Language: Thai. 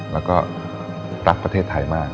แล้วก็รักประเทศไทยมาก